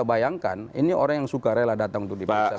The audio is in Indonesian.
bayangkan ini orang yang suka rela datang untuk diperiksa